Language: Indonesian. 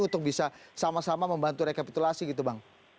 untuk bisa sama sama membantu rekapitulasi gitu bang